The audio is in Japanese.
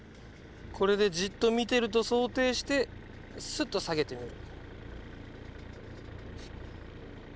これでじっと見てると想定してすっと下げてみる。